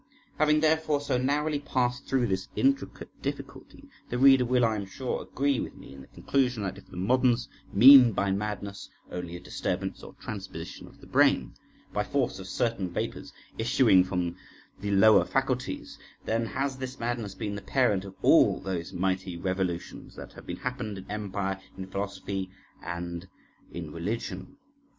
Having, therefore, so narrowly passed through this intricate difficulty, the reader will, I am sure, agree with me in the conclusion that, if the moderns mean by madness only a disturbance or transposition of the brain, by force of certain vapours issuing up from the lower faculties, then has this madness been the parent of all those mighty revolutions that have happened in empire, in philosophy, and in religion.